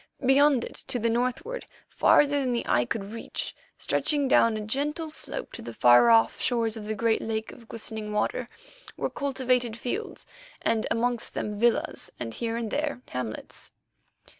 Beyond it to the northward, farther than the eye could reach, stretching down a gentle slope to the far off shores of the great lake of glistening water, were cultivated fields, and amongst them villas and, here and there, hamlets.